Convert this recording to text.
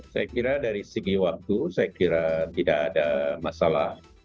saya kira dari segi waktu saya kira tidak ada masalah